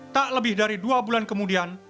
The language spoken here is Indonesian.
tak lebih dari dua bulan kemudian